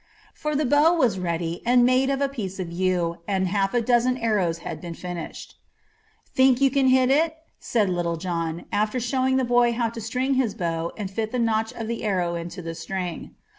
For the bow was ready and made of a piece of yew, and half a dozen arrows had been finished. "Think you can hit it?" said Little John, after showing the boy how to string his bow and fit the notch of the arrow to the string.